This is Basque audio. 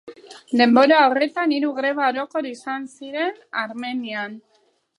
Denbora horretan hiru greba orokor izan ziren Armenian.